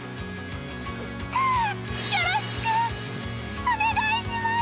はぁよろしくお願いします！